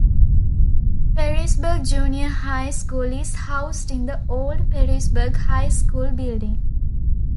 Perrysburg Junior High School is housed in the old Perrysburg High School building.